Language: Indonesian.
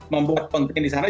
membuat pengurusan di sana